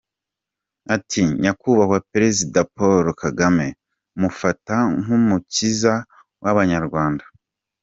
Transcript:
Ati “ Nyakubahwa Perezida Paul Kagame mufata nk’umukiza w’abanywarwanda.